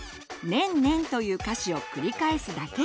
「ねんねん」という歌詞を繰り返すだけ！